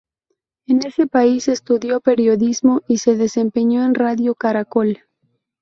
En ese país estudió periodismo y se desempeñó en Radio Caracol.